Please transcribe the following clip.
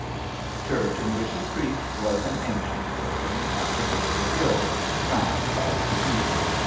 The church in which he preached was an ancient building at the foot of the hill, crowned by the cathedral.